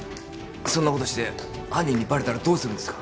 そんなことして犯人にバレたらどうするんですか？